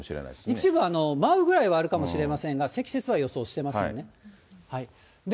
一部、舞うぐらいはあるかもしれませんが、積雪は予想してませんよね。